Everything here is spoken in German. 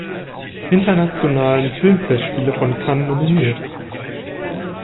Internationalen Filmfestspiele von Cannes nominiert.